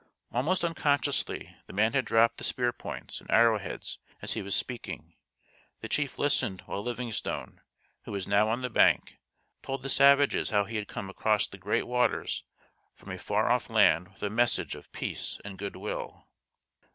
Almost unconsciously the man had dropped the spear points and arrow heads as he was speaking. The chief listened while Livingstone, who was now on the bank, told the savages how he had come across the great waters from a far off land with a message of peace and goodwill.